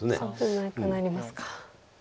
危なくなりますか。